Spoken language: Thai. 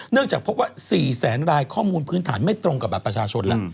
เนื่องจากเพราะว่า๔แสนรายข้อมูลพื้นฐานไม่ตรงกับแบบประชาชนละ